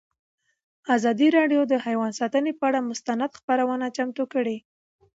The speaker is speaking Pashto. ازادي راډیو د حیوان ساتنه پر اړه مستند خپرونه چمتو کړې.